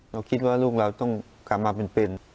เราคิดว่าลูกเราต้องกลับมาเป็น